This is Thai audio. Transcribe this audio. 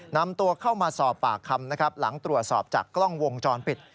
นำตัวเข้ามาสอบปากคำนะครับหลังตรวจสอบจากกล้องวงจรปิด